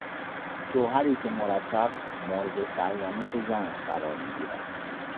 شوهری که مرتب مورد سرزنش زنش قرار میگیرد